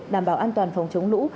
đảm bảo an toàn phòng chống lũ